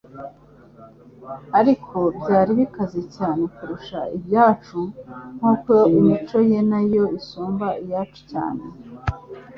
Ariko ibye byari bikaze cyane kurusha ibyacu nk'uko imico ye nayo isumba iyacu cyane.